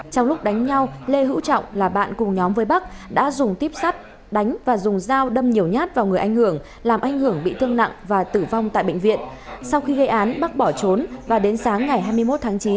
trong lúc đánh nhau lê hữu trọng là bạn cùng nhóm với bắc đã dùng tiếp sắt đánh và dùng dao đâm nhiều nhát vào người anh hưởng làm anh hưởng bị thương nặng và tử vong tại bệnh viện sau khi gây án bắc bỏ trốn và đến sáng ngày hai mươi một tháng chín